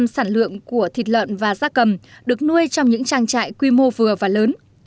năm mươi năm sản lượng của thịt lợn và da cầm được nuôi trong những trang trại quy mô vừa và lớn